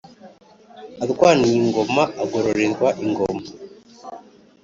arwaniye ingoma agororerwa ingoma.